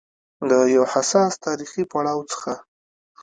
له يو حساس تاریخي پړاو څخه